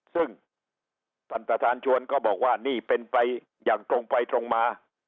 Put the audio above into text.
ซึ่งท่านประธานชวนก็บอกว่านี่เป็นไปอย่างตรงไปตรงมา